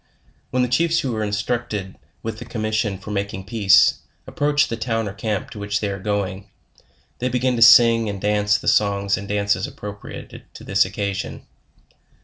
When the chiefs who are instructed with the commission LEWIS AND CLARKE. 91 for making peace, approach the town or camp to which they are going, they begin to sing and dance the songs and dan ces appropriated to this occasion.